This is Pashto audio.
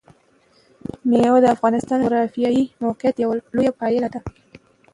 مېوې د افغانستان د جغرافیایي موقیعت یوه لویه پایله ده.